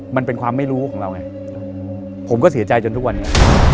มันเป็นความไม่รู้ของเราไงผมก็เสียใจจนทุกวันนี้